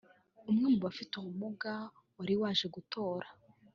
umwe mu bafite ubumuga wari waje gutora